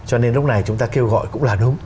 cho nên lúc này chúng ta kêu gọi cũng là đúng